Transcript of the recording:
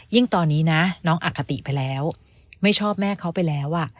ตอนนี้นะน้องอคติไปแล้วไม่ชอบแม่เขาไปแล้ว